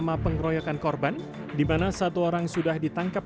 maksud saya kan supaya keadilannya suami atau yang membunuh suami cepat tertangkap